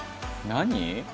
何？」